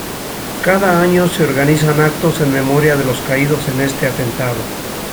Cada año se organizan actos en memoria de los caídos en este atentado.